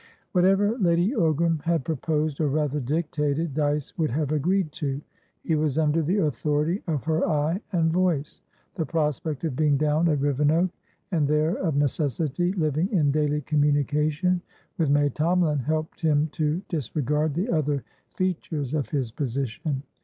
Whatever Lady Ogram had proposed (or rather dictated) Dyce would have agreed to. He was under the authority of her eye and voice. The prospect of being down at Rivenoak, and there, of necessity, living in daily communication with May Tomalin, helped him to disregard the other features of his position.